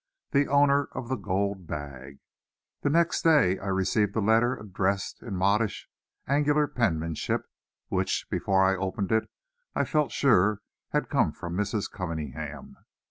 XVII. THE OWNER OF THE GOLD BAG The next day I received a letter addressed in modish, angular penmanship, which, before I opened it, I felt sure had come from Mrs. Cunningham.